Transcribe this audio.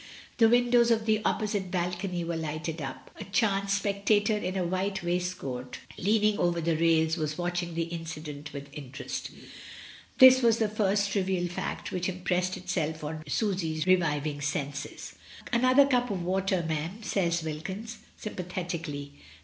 The windows of the opposite balcony were lighted up, a chance spectator in a white waistcoat leaning over the rails was watching the incident with interest This was the first trivial fact which im pressed itself on Susy's reviving senses. "Another sup of water, mem," says Wilkins, sympathetically.